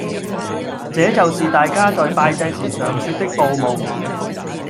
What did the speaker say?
這就是大家在拜祭時常說旳報夢